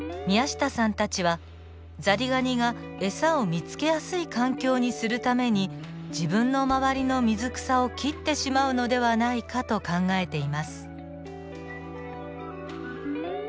宮下さんたちはザリガニが餌を見つけやすい環境にするために自分の周りの水草を切ってしまうのではないかと考えています。